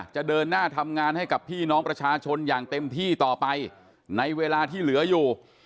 จะเดินหน้าทำงานให้กับพี่น้องประชาชนอย่างเต็มที่ต่อไปในเวลาที่เหลืออยู่